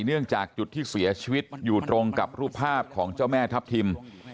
เนื่องจากจุดที่เสียชีวิตอยู่ตรงกับรูปภาพของเจ้าแม่ทัพทิม